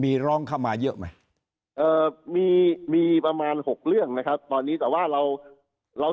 มีร้องเข้ามาเยอะไหมเอ่อมีมีประมาณ๖เรื่องนะครับตอนนี้แต่ว่าเราเรา